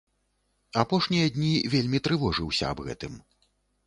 Апошнія дні вельмі трывожыўся аб гэтым.